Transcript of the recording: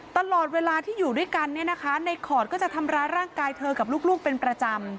ตลอดเวลาที่อยู่ด้วยกันเนี่ยนะคะในขอดก็จะทำร้ายร่างกายเธอกับลูกเป็นประจำ